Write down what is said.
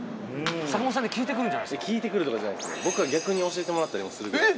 坂本さんに聞いてくるんじゃ聞いてくるとかじゃなくて、僕は逆に教えてもらったりもするぐらい。